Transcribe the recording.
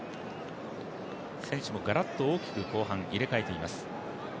選手もガラッと大きく後半入れ替えています。